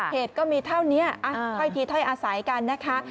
เหตุก็มีเท่านี้ถ้อยทีถ้อยอาศัยกันนะคะ